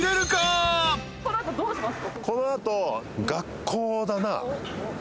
この後どうします？